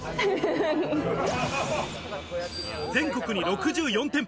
全国に６４店舗。